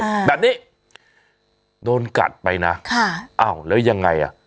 แบบนี้โดนกัดไปนะค่ะอ้าวแล้วยังไงอ่ะ